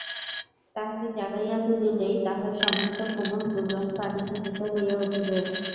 তাহাকে জাগাইয়া তুলিলেই তাহার সমস্ত কোমল কূজন কানে ধ্বনিত হইয়া উঠিবে।